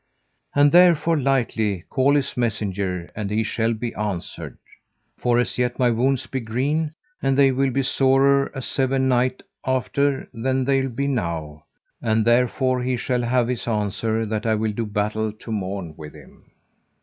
And therefore lightly call his messenger and he shall be answered, for as yet my wounds be green, and they will be sorer a seven night after than they be now; and therefore he shall have his answer that I will do battle to morn with him.